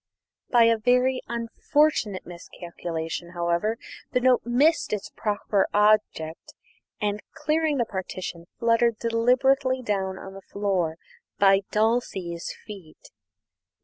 By a very unfortunate miscalculation, however, the note missed its proper object, and, clearing the partition, fluttered deliberately down on the floor by Dulcie's feet.